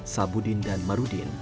sabudin dan marudin